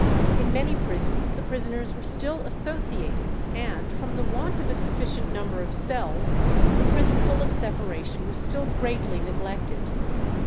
In many prisons the prisoners were still associated, and, from the want of a sufficient number of cells, the principle of separation was still greatly neglected.